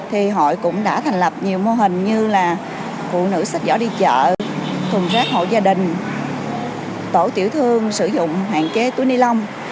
thì hội cũng đã thành lập nhiều mô hình như là phụ nữ sách giỏ đi chợ thùng rác hộ gia đình tổ tiểu thương sử dụng hạn chế túi ni lông